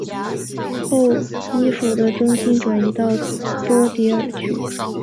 之后基辅的中心转移到波迪尔区。